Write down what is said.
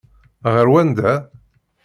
Ɣer wanda?